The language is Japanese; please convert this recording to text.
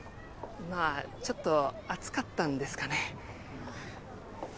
まあちょっと暑かったんですかね。